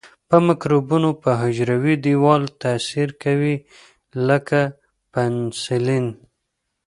د مکروبونو په حجروي دیوال تاثیر کوي لکه پنسلین.